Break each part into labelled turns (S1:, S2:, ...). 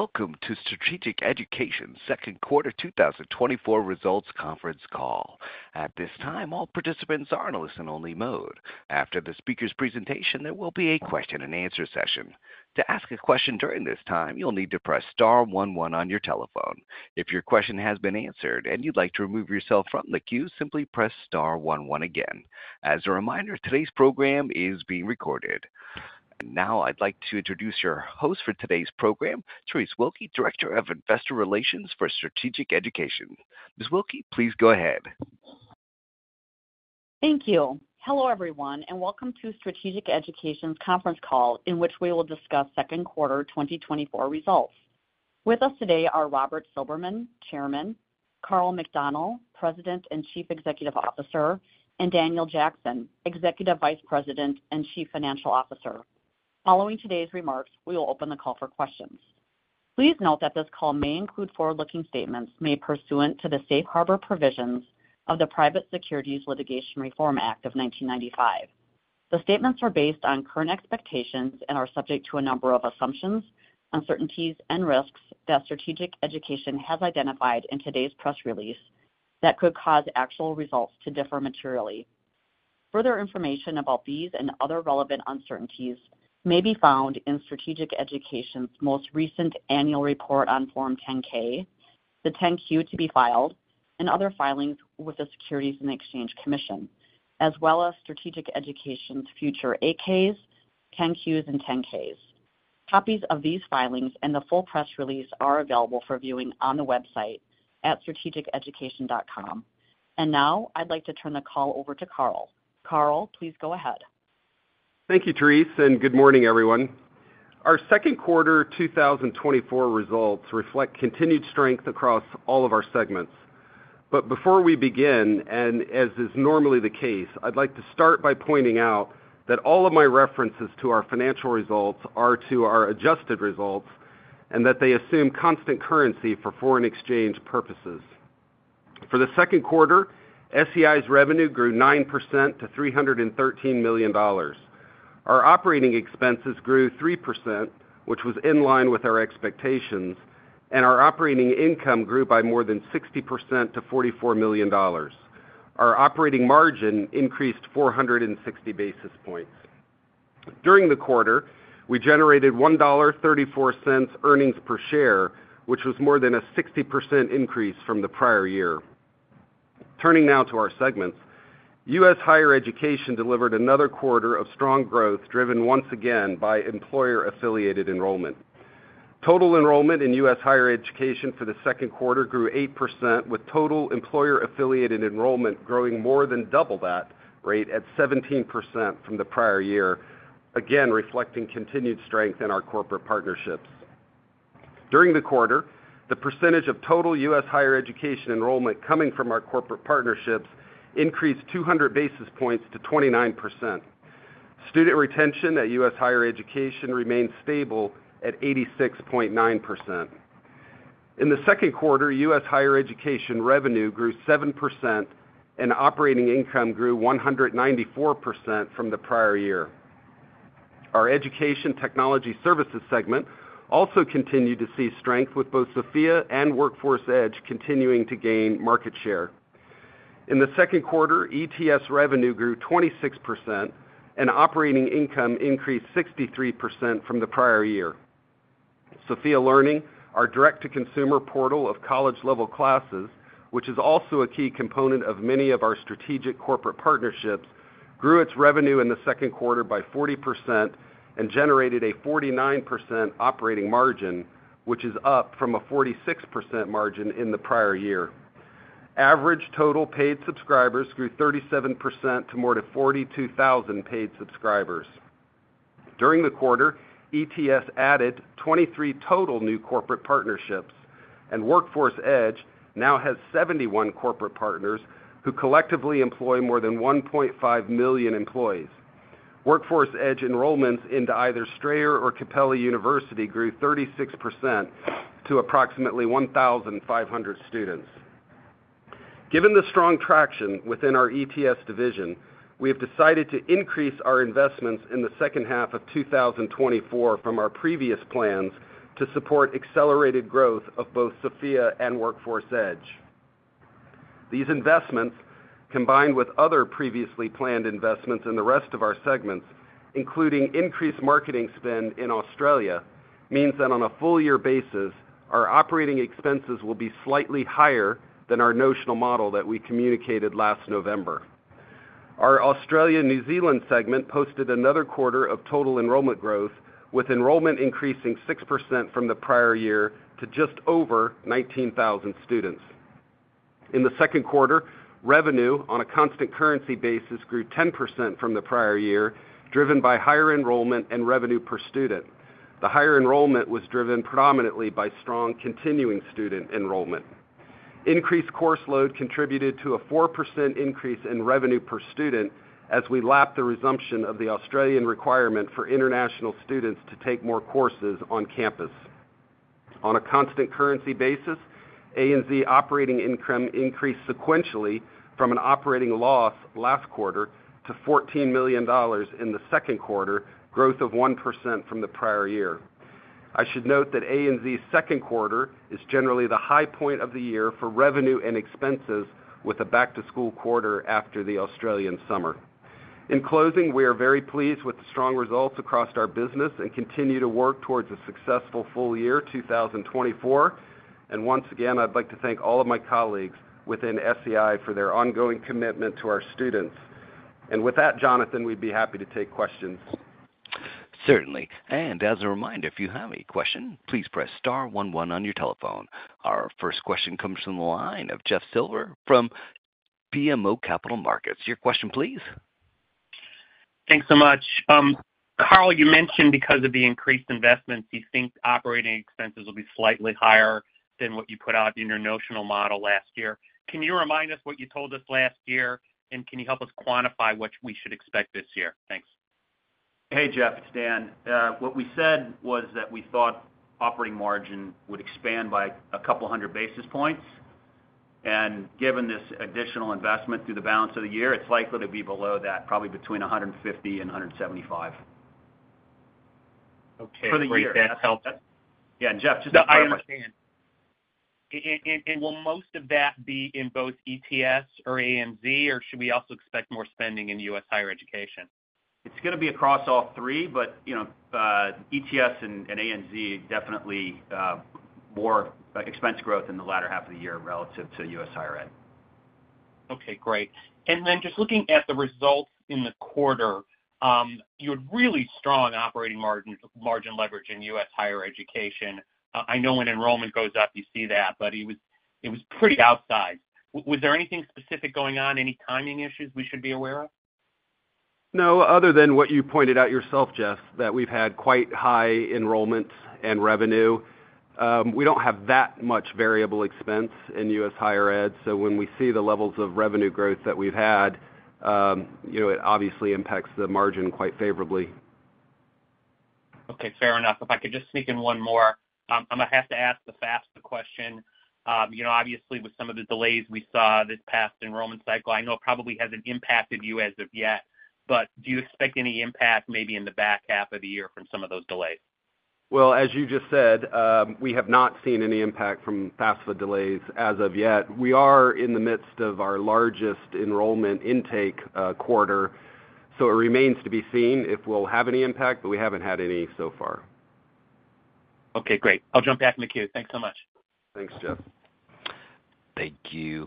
S1: Welcome to Strategic Education Second Quarter 2024 Results Conference Call. At this time, all participants are in a listen-only mode. After the speaker's presentation, there will be a question-and-answer session. To ask a question during this time, you'll need to press Star one one on your telephone. If your question has been answered and you'd like to remove yourself from the queue, simply press Star one one again. As a reminder, today's program is being recorded. And now I'd like to introduce your host for today's program, Terese Wilke, Director of Investor Relations for Strategic Education. Ms. Wilke, please go ahead.
S2: Thank you. Hello, everyone, and welcome to Strategic Education's Conference Call, in which we will discuss Second Quarter 2024 results. With us today are Robert Silberman, Chairman, Karl McDonnell, President and Chief Executive Officer, and Daniel Jackson, Executive Vice President and Chief Financial Officer. Following today's remarks, we will open the call for questions. Please note that this call may include forward-looking statements made pursuant to the Safe Harbor Provisions of the Private Securities Litigation Reform Act of 1995. The statements are based on current expectations and are subject to a number of assumptions, uncertainties, and risks that Strategic Education has identified in today's press release that could cause actual results to differ materially. Further information about these and other relevant uncertainties may be found in Strategic Education's most recent annual report on Form 10-K, the 10-Q to be filed, and other filings with the Securities and Exchange Commission, as well as Strategic Education's future 8-Ks, 10-Qs, and 10-Ks. Copies of these filings and the full press release are available for viewing on the website at strategiceducation.com. Now I'd like to turn the call over to Karl. Karl, please go ahead.
S3: Thank you, Terese, and good morning, everyone. Our Second Quarter 2024 results reflect continued strength across all of our segments. But before we begin, and as is normally the case, I'd like to start by pointing out that all of my references to our financial results are to our adjusted results and that they assume constant currency for foreign exchange purposes. For the second quarter, SEI's revenue grew 9% to $313 million. Our operating expenses grew 3%, which was in line with our expectations, and our operating income grew by more than 60% to $44 million. Our operating margin increased 460 basis points. During the quarter, we generated $1.34 earnings per share, which was more than a 60% increase from the prior year. Turning now to our segments, U.S. higher education delivered another quarter of strong growth driven once again by employer-affiliated enrollment. Total enrollment in U.S. higher education for the second quarter grew 8%, with total employer-affiliated enrollment growing more than double that rate at 17% from the prior year, again reflecting continued strength in our corporate partnerships. During the quarter, the percentage of total U.S. higher education enrollment coming from our corporate partnerships increased 200 basis points to 29%. Student retention at U.S. higher education remained stable at 86.9%. In the second quarter, U.S. higher education revenue grew 7%, and operating income grew 194% from the prior year. Our education technology services segment also continued to see strength, with both Sophia and Workforce Edge continuing to gain market share. In the second quarter, ETS revenue grew 26%, and operating income increased 63% from the prior year. Sophia Learning, our direct-to-consumer portal of college-level classes, which is also a key component of many of our strategic corporate partnerships, grew its revenue in the second quarter by 40% and generated a 49% operating margin, which is up from a 46% margin in the prior year. Average total paid subscribers grew 37% to more than 42,000 paid subscribers. During the quarter, ETS added 23 total new corporate partnerships, and Workforce Edge now has 71 corporate partners who collectively employ more than 1.5 million employees. Workforce Edge enrollments into either Strayer or Capella University grew 36% to approximately 1,500 students. Given the strong traction within our ETS division, we have decided to increase our investments in the second half of 2024 from our previous plans to support accelerated growth of both Sophia and Workforce Edge. These investments, combined with other previously planned investments in the rest of our segments, including increased marketing spend in Australia, mean that on a full-year basis, our operating expenses will be slightly higher than our notional model that we communicated last November. Our Australia-New Zealand segment posted another quarter of total enrollment growth, with enrollment increasing 6% from the prior year to just over 19,000 students. In the second quarter, revenue on a constant currency basis grew 10% from the prior year, driven by higher enrollment and revenue per student. The higher enrollment was driven predominantly by strong continuing student enrollment. Increased course load contributed to a 4% increase in revenue per student as we lapped the resumption of the Australian requirement for international students to take more courses on campus. On a constant currency basis, ANZ operating income increased sequentially from an operating loss last quarter to $14 million in the second quarter, growth of 1% from the prior year. I should note that ANZ's second quarter is generally the high point of the year for revenue and expenses, with a back-to-school quarter after the Australian summer. In closing, we are very pleased with the strong results across our business and continue to work towards a successful full year 2024. And once again, I'd like to thank all of my colleagues within SEI for their ongoing commitment to our students. And with that, Jonathan, we'd be happy to take questions.
S1: Certainly. And as a reminder, if you have any questions, please press Star one one on your telephone. Our first question comes from the line of Jeff Silber from BMO Capital Markets. Your question, please.
S4: Thanks so much. Karl, you mentioned because of the increased investments, you think operating expenses will be slightly higher than what you put out in your notional model last year. Can you remind us what you told us last year, and can you help us quantify what we should expect this year? Thanks.
S5: Hey, Jeff, it's Dan. What we said was that we thought operating margin would expand by a couple 100 basis points. Given this additional investment through the balance of the year, it's likely to be below that, probably between 150 and 175 for the year.
S4: Okay. Great, Dan. That helps.
S5: Yeah. Jeff, just to clarify.
S4: No, I understand. And will most of that be in both ETS or ANZ, or should we also expect more spending in U.S. higher education?
S5: It's going to be across all three, but ETS and ANZ definitely more expense growth in the latter half of the year relative to U.S. higher ed.
S4: Okay. Great. And then just looking at the results in the quarter, you had really strong operating margin leverage in U.S. higher education. I know when enrollment goes up, you see that, but it was pretty outsized. Was there anything specific going on, any timing issues we should be aware of?
S3: No, other than what you pointed out yourself, Jeff, that we've had quite high enrollment and revenue. We don't have that much variable expense in U.S. higher ed, so when we see the levels of revenue growth that we've had, it obviously impacts the margin quite favorably.
S4: Okay. Fair enough. If I could just sneak in one more, I'm going to have to ask the fastest question. Obviously, with some of the delays we saw this past enrollment cycle, I know it probably hasn't impacted you as of yet, but do you expect any impact maybe in the back half of the year from some of those delays?
S3: Well, as you just said, we have not seen any impact from FAFSA delays as of yet. We are in the midst of our largest enrollment intake quarter, so it remains to be seen if we'll have any impact, but we haven't had any so far.
S4: Okay. Great. I'll jump back in the queue. Thanks so much.
S3: Thanks, Jeff.
S1: Thank you.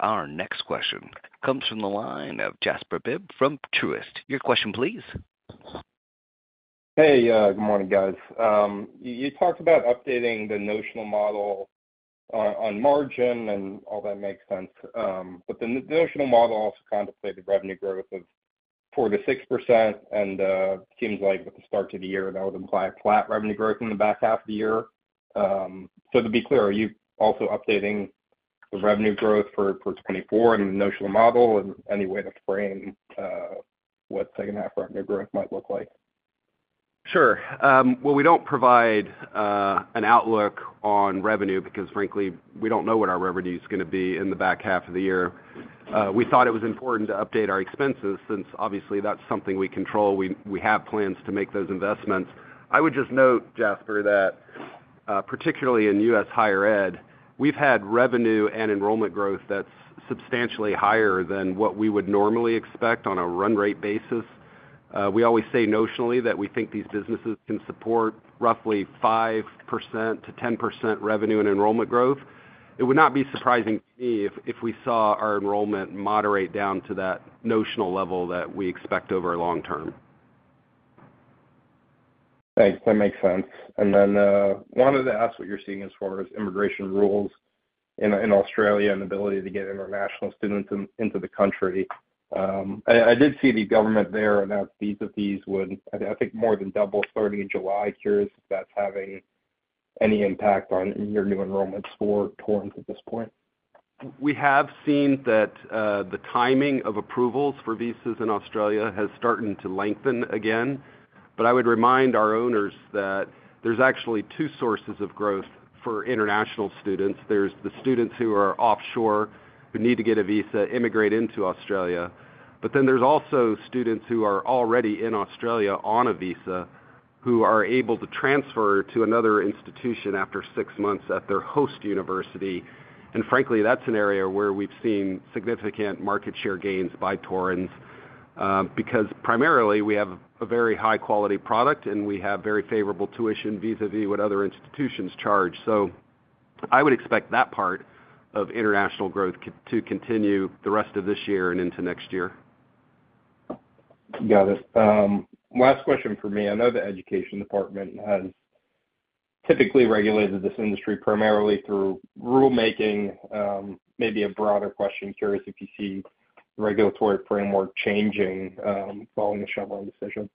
S1: Our next question comes from the line of Jasper Bibb from Truist. Your question, please.
S6: Hey, good morning, guys. You talked about updating the notional model on margin, and all that makes sense. But the notional model also contemplated revenue growth of 4%-6%, and it seems like with the start to the year, that would imply flat revenue growth in the back 1/2 of the year. So to be clear, are you also updating the revenue growth for 2024 in the notional model in any way to frame what second-half revenue growth might look like?
S3: Sure. Well, we don't provide an outlook on revenue because, frankly, we don't know what our revenue is going to be in the back half of the year. We thought it was important to update our expenses since, obviously, that's something we control. We have plans to make those investments. I would just note, Jasper, that particularly in U.S. higher ed, we've had revenue and enrollment growth that's substantially higher than what we would normally expect on a run rate basis. We always say notionally that we think these businesses can support roughly 5%-10% revenue and enrollment growth. It would not be surprising to me if we saw our enrollment moderate down to that notional level that we expect over a long term.
S6: Thanks. That makes sense. And then wanted to ask what you're seeing as far as immigration rules in Australia and the ability to get international students into the country. I did see the government there announce visa fees would, I think, more than double starting in July. Curious if that's having any impact on your new enrollments for Torrens at this point?
S3: We have seen that the timing of approvals for visas in Australia has started to lengthen again. But I would remind our owners that there's actually two sources of growth for international students. There's the students who are offshore who need to get a visa to immigrate into Australia. But then there's also students who are already in Australia on a visa who are able to transfer to another institution after six months at their host university. And frankly, that's an area where we've seen significant market share gains by Torrens because primarily we have a very high-quality product, and we have very favorable tuition vis-à-vis what other institutions charge. So I would expect that part of international growth to continue the rest of this year and into next year.
S6: Got it. Last question for me. I know the education department has typically regulated this industry primarily through rulemaking. Maybe a broader question, curious if you see the regulatory framework changing following the Chevron decision?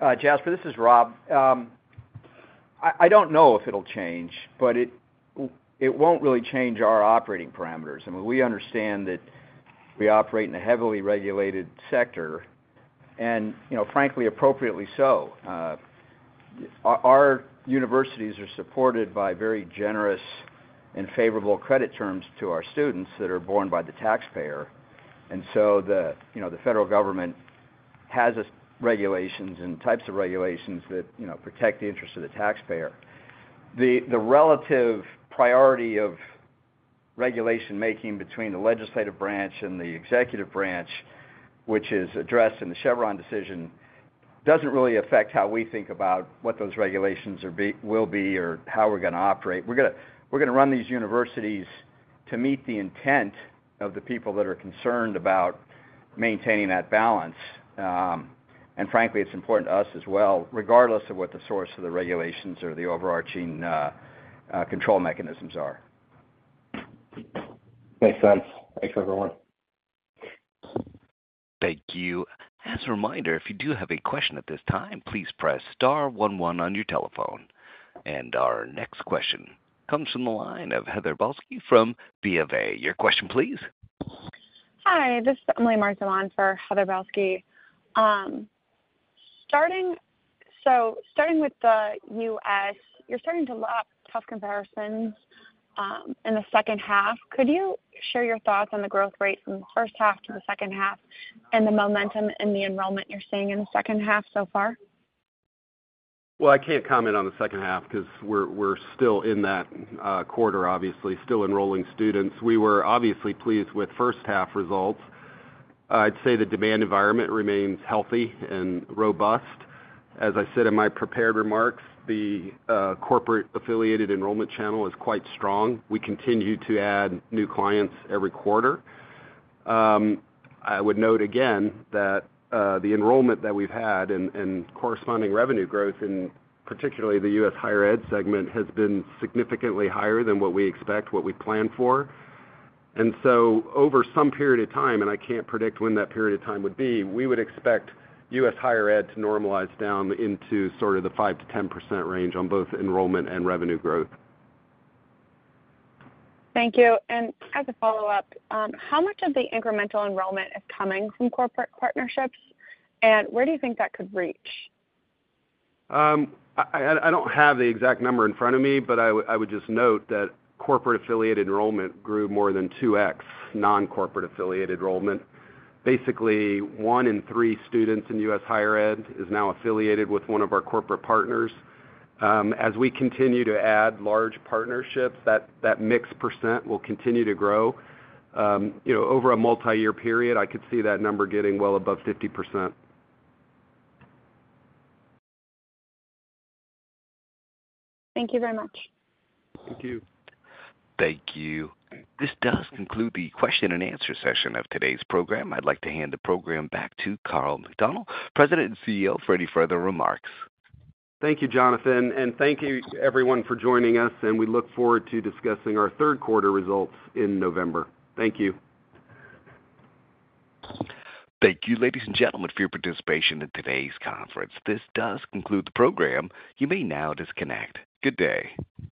S7: Jasper, this is Rob. I don't know if it'll change, but it won't really change our operating parameters. I mean, we understand that we operate in a heavily regulated sector, and frankly, appropriately so. Our universities are supported by very generous and favorable credit terms to our students that are borne by the taxpayer. And so the federal government has regulations and types of regulations that protect the interests of the taxpayer. The relative priority of regulation-making between the legislative branch and the executive branch, which is addressed in the Chevron decision, doesn't really affect how we think about what those regulations will be or how we're going to operate. We're going to run these universities to meet the intent of the people that are concerned about maintaining that balance. And frankly, it's important to us as well, regardless of what the source of the regulations or the overarching control mechanisms are.
S6: Makes sense. Thanks, everyone.
S1: Thank you. As a reminder, if you do have a question at this time, please press Star 11 on your telephone. Our next question comes from the line of Heather Balsky from BofA.
S8: Hi. This is Emily Martellon for Heather Balsky. So starting with the U.S., you're starting to lap tough comparisons in the second half. Could you share your thoughts on the growth rate from the first half to the second half and the momentum in the enrollment you're seeing in the second half so far?
S3: Well, I can't comment on the second half because we're still in that quarter, obviously, still enrolling students. We were obviously pleased with first-half results. I'd say the demand environment remains healthy and robust. As I said in my prepared remarks, the corporate-affiliated enrollment channel is quite strong. We continue to add new clients every quarter. I would note again that the enrollment that we've had and corresponding revenue growth, and particularly the U.S. higher ed segment, has been significantly higher than what we expect, what we planned for. And so over some period of time, and I can't predict when that period of time would be, we would expect U.S. higher ed to normalize down into sort of the 5%-10% range on both enrollment and revenue growth.
S8: Thank you. As a follow-up, how much of the incremental enrollment is coming from corporate partnerships, and where do you think that could reach?
S3: I don't have the exact number in front of me, but I would just note that corporate-affiliated enrollment grew more than 2x non-corporate-affiliated enrollment. Basically, one in three students in U.S. higher ed is now affiliated with one of our corporate partners. As we continue to add large partnerships, that mixed percent will continue to grow. Over a multi-year period, I could see that number getting well above 50%.
S8: Thank you very much.
S3: Thank you.
S1: Thank you. This does conclude the question-and-answer session of today's program. I'd like to hand the program back to Karl McDonnell, President and CEO, for any further remarks.
S3: Thank you, Jonathan. Thank you, everyone, for joining us, and we look forward to discussing our third quarter results in November. Thank you.
S1: Thank you, ladies and gentlemen, for your participation in today's conference. This does conclude the program. You may now disconnect. Good day.